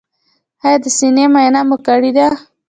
ایا د سینې معاینه مو کړې ده؟